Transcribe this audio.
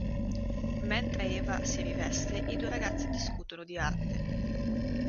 Mentre Eva si riveste i due ragazzi discutono di arte.